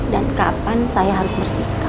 dan kapan saya harus bersihkan kamu